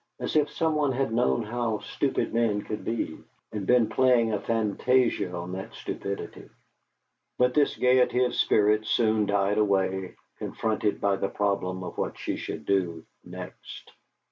As if someone had known how stupid men could be, and been playing a fantasia on that stupidity. But this gaiety of spirit soon died away, confronted by the problem of what she should do next.